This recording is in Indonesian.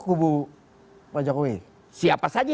kubu pak jokowi siapa saja